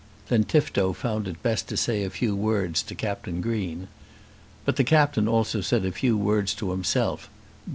Then Tifto found it best to say a few words to Captain Green. But the Captain also said a few words to himself.